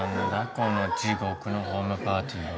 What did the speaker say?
この地獄のホームパーティーは。